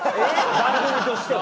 番組としては。